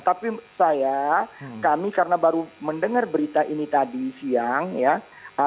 tapi saya kami karena baru mendengar berita ini tadi siang ya